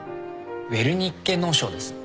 ウェルニッケ脳症です